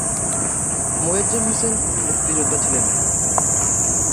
মোয়াজ্জেম হোসেন মুক্তিযুদ্ধা ছিলেন।